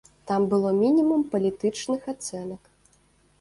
Там было мінімум палітычных ацэнак.